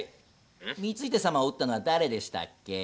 光秀様を討ったのは誰でしたっけ？